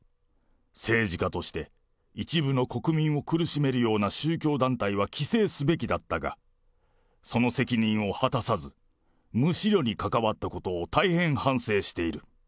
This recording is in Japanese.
政治家として、一部の国民を苦しめるような宗教団体は規制すべきだったが、その責任を果たさず、無思慮に関わったことを大変反省している。